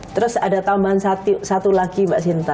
terus ada tambahan satu lagi mbak sinta